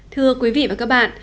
thưa quý vị và các bạn